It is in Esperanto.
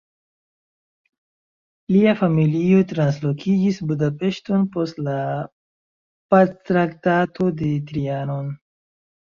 Lia familio translokiĝis Budapeŝton post la Pactraktato de Trianon.